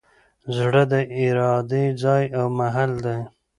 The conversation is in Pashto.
زړه د ارادې ځای او محل دﺉ.